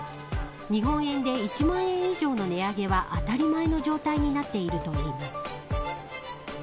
日本円で１万円以上の値上げは当たり前の状態になっているといいます。